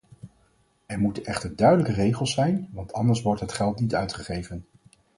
Er moeten echter duidelijke regels zijn, want anders wordt het geld niet uitgegeven.